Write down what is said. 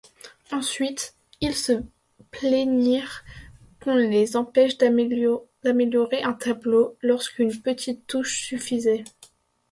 Ensuite, ils se plaignirent qu'on les empêche d’améliorer un tableau lorsqu’une petite touche suffisait.